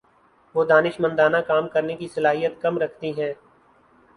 وہ دانشمندانہ کام کرنے کی صلاحیت کم رکھتی ہیں